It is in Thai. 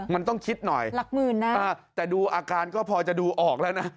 มันต้องคิดหน่อยหลักหมื่นนะแต่ดูอาการก็พอจะดูออกแล้วนะ